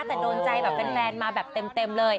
แต่โดนใจแบบแฟนมาแบบเต็มเลย